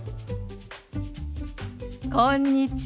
こんにちは。